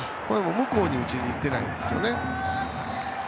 向こうに打ちに行ってないですよね。